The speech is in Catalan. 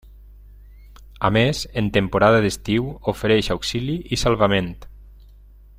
A més, en temporada d’estiu ofereix auxili i salvament.